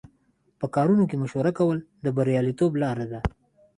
په کارونو کې مشوره کول د بریالیتوب لاره ده.